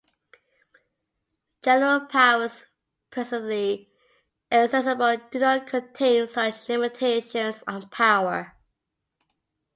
General powers presently exercisable do not contain such limitations on power.